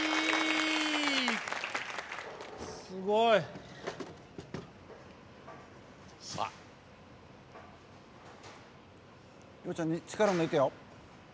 すごい！洋ちゃん力抜いてよ。